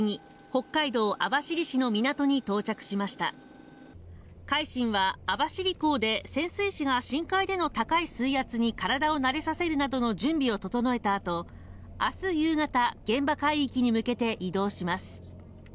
北海道網走市の港に到着しました「海進」は網走港で潜水士が深海での高い水圧に体を慣れさせるなどの準備を整えたあと明日夕方、現場海域に向けて移動します